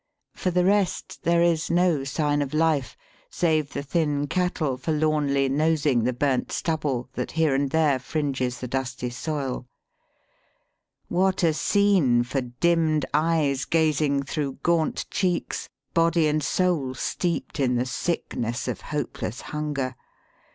For the rest, there is no sign of life save the thin cattle forlornly nosing the burnt stubble that here and there fringes the dusty Digitized by VjOOQIC THE HOLY CITY. 201 soil. What a scene for dimmed eyes gazing through gaunt cheeks, body and soul steeped in the sickness of hopeless hunger